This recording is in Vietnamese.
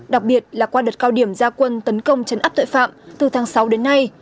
đặc biệt là qua đợt cao điểm gia quân tấn công chấn áp tội phạm từ tháng sáu đến nay